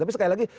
tapi sekali lagi